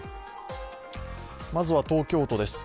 まずは東京都です。